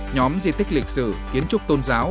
nhóm di tích lịch sử kiến trúc tôn giáo